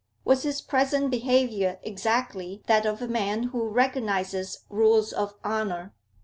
Was his present behaviour exactly that of a man who recognises rules of honour?